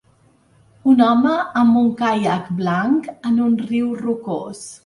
Un home amb un caiac blanc en un riu rocós.